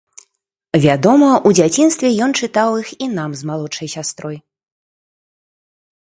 Вядома, у дзяцінстве ён чытаў іх і нам з малодшай сястрой.